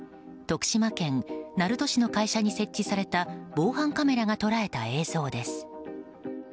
徳島県鳴門市の会社に設置された防犯カメラが捉えた映像です。